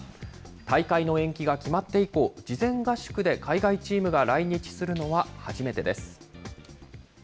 大会の延期が決まって以降、事前合宿で海外チームが来日するのは初めてです。